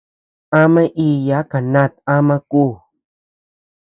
Ama iʼyaa kanat ama kuu.